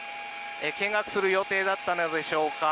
見学する予定だったのでしょうか。